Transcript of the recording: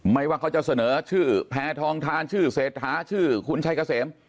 ว่าเขาจะเสนอชื่อแพทองทานชื่อเศรษฐาชื่อคุณชัยเกษม